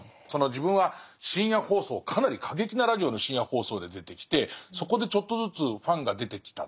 自分は深夜放送かなり過激なラジオの深夜放送で出てきてそこでちょっとずつファンが出てきた。